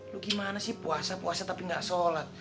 lu gimana sih puasa puasa tapi nggak sholat